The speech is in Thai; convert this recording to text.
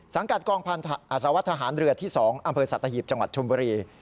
สังกัดกองพันธาอสวทหารเรือที่๒อำเภอสัตว์อาหีบจังหวัดชุมบุรี